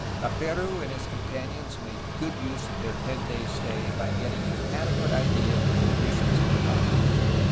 Laperouse and his companions made good use of their ten day stay by getting an adequate idea of conditions in the province.